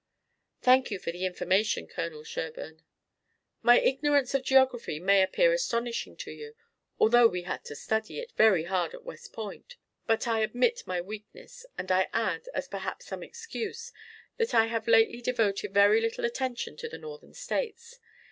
"Thank you for the information, Colonel Sherburne. My ignorance of geography may appear astonishing to you, although we had to study it very hard at West Point. But I admit my weakness and I add, as perhaps some excuse, that I have lately devoted very little attention to the Northern states.